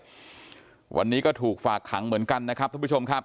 ซึ่งแต่ละคนตอนนี้ก็ยังให้การแตกต่างกันอยู่เลยว่าวันนั้นมันเกิดอะไรขึ้นบ้างนะครับ